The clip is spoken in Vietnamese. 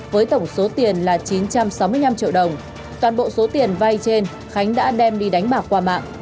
với tổng số tiền là chín trăm sáu mươi năm triệu đồng toàn bộ số tiền vay trên khánh đã đem đi đánh bạc qua mạng